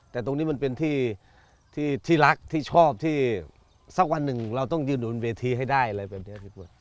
แต่ตรงนี้มันเป็นที่รักที่ชอบที่สักวันหนึ่งเราต้องยืนบนเวทีให้ได้อะไรแบบนี้พี่ปุ๊ย